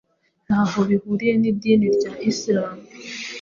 ntaho bihuriye n’idini ya islam